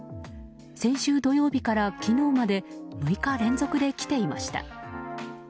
先週土曜日から昨日まで６日連続で来ていました。